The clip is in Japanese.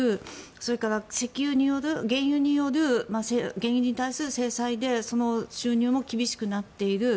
それから原油に対する制裁で収入も厳しくなっている。